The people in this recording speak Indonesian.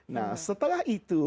nah setelah itu